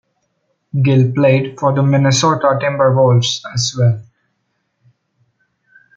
Gill played for the Minnesota Timberwolves as well.